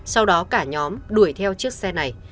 sau đó cả nhóm đuổi theo chiếc xe này